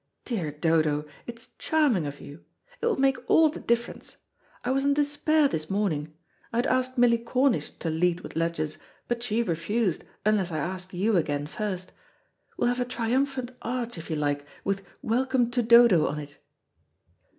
Dear Dodo, it's charming of you. It will make all the difference. I was in despair this morning. I had asked Milly Cornish to lead with Ledgers, but she refused, unless I asked you again first. We'll have a triumphant arch, if you like, with 'Welcome to Dodo' on it."